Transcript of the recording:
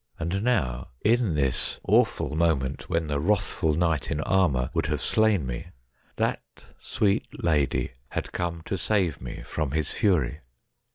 And now in this awful moment, when the wrathful knight in armour would have slain me, that sweet lady had come to save me from his fury.